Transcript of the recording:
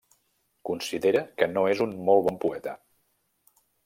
Considera que no és un molt bon poeta.